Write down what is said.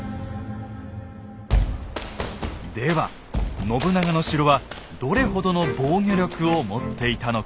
では信長の城はどれほどの防御力を持っていたのか。